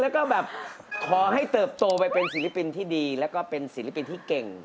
แล้วก็แบบขอให้เติบโตไปเป็นศิลปินที่ดีแล้วก็เป็นศิลปินที่เก่ง